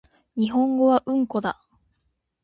日本語はうんこだ